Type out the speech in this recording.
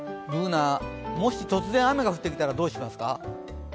Ｂｏｏｎａ、もし突然、雨が降ってきたらどうしますか。